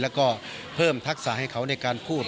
แล้วก็เพิ่มทักษะให้เขาในการพูด